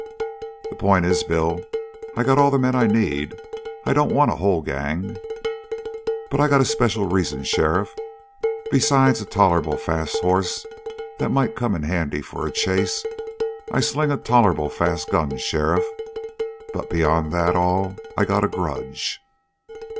"The point is, Bill, that I got all the men I need. I don't want a whole gang." "But I got a special reason, sheriff. Besides a tolerable fast hoss that might come in handy for a chase, I sling a tolerable fast gun, sheriff. But beyond that all, I got a grudge."